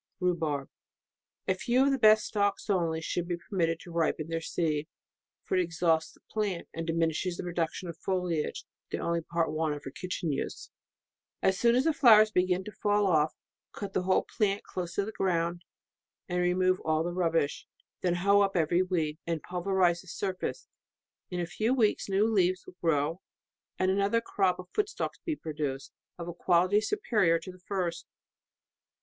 Rhubarb. — A few of the best stalks only, should be permitted to ripen their seed ; for it exhausts the plant, and diminishes the pro duction of foliage, the only part wanted for kitchen use. As soon as the flowers begin to fall off, cut the whole plant, close to the ground, and re move all the rubbish. Then hoe up every weed, and pulverize the surface. In a few weeks, new leaves will grow, and another crop of foot stalks be produced, of a quality superior to the first.